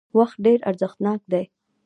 وخت ډېر ارزښتناک دی